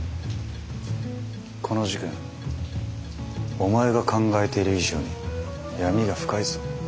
この事件お前が考えている以上に闇が深いぞ。